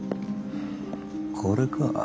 これか。